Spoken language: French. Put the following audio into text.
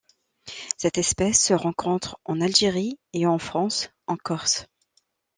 Cette espèce se rencontre en Algérie et en France en Corse.